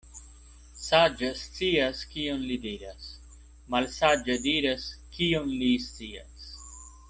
Saĝa scias, kion li diras — malsaĝa diras, kion li scias.